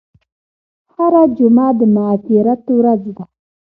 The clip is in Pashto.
هره جمعه د مغفرت ورځ ده.